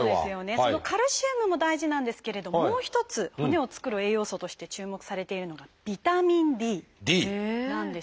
そのカルシウムも大事なんですけれどもう一つ骨を作る栄養素として注目されているのがビタミンＤなんです。